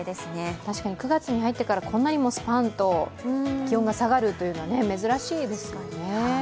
確かに９月になってから、こんなにもスパンと気温が下がるのは珍しいですね。